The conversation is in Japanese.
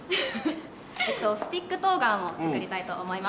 スティックとうがんを作りたいと思います。